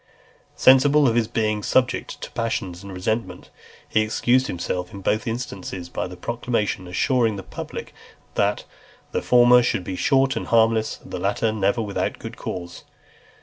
XXXVIII. Sensible of his being subject to passion and resentment, he excused himself in both instances by a proclamation, assuring the public that "the former should be short and harmless, and the latter never without good cause."